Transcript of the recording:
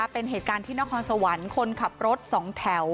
เป็นเหตุการณ์ที่นครสวรรค์คนขับรถสองแถว